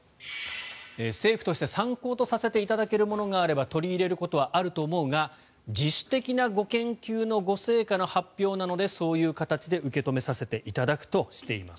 政府として参考とさせていただけるものがあれば取り入れることはあると思うが自主的なご研究のご成果の発表なのでそういう形で受け止めさせていただくとしています。